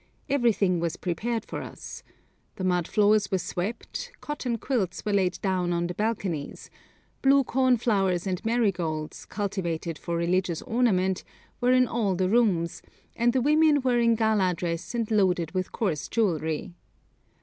Everything was prepared for us. The mud floors were swept, cotton quilts were laid down on the balconies, blue cornflowers and marigolds, cultivated for religious ornament, were in all the rooms, and the women were in gala dress and loaded with coarse jewellery.